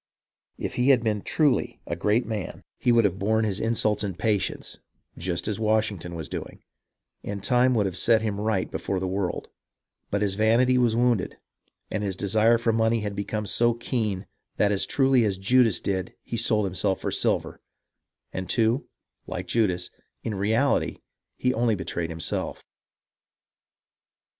If he had been a truly great man, he would have borne his ARNOLD AND ANDRE 293 insults in patience, just as Washington was doing ; and time would have set him right before the world. But his vanity was wounded, and his desire for money had become so keen that as truly as Judas did he sold himself for silver, and, too, like Judas, in reality he only betrayed himself.